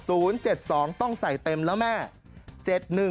โอ้โห๐๗๒ต้องใส่เต็มแล้วแม่